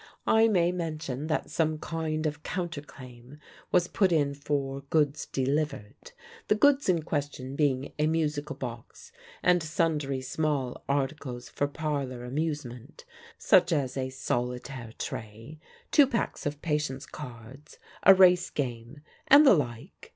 I may mention that some kind of counter claim was put in "for goods delivered"; the goods in question being a musical box and sundry small articles for parlour amusement, such as a solitaire tray, two packs of "Patience" cards, a race game, and the like.